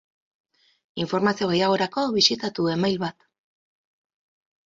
Informazio gehiagorako bisitatu e-mail bat.